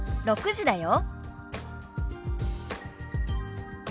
「６時だよ」。